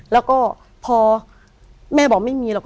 แล้วก็พอแม่บอกไม่มี